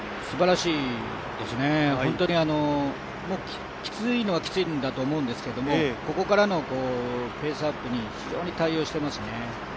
すばらしいですねきついのはきついんだと思うんですけどここからのペースアップに非常に対応していますね。